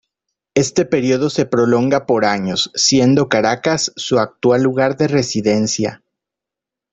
Este período se prolonga por años, siendo Caracas su actual lugar de residencia.